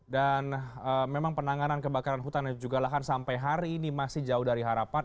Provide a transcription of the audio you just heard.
dan memang penanganan kebakaran hutan juga lah kan sampai hari ini masih jauh dari harapan